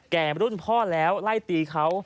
รุ่นพ่อแล้วไล่ตีเขา